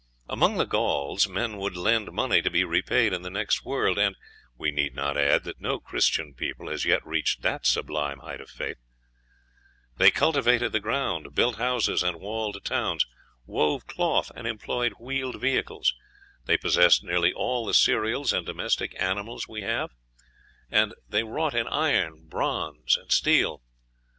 Among the Gauls men would lend money to be repaid in the next world, and, we need not add, that no Christian people has yet reached that sublime height of faith; they cultivated the ground, built houses and walled towns, wove cloth, and employed wheeled vehicles; they possessed nearly all the cereals and domestic animals we have, and they wrought in iron, bronze, and steel.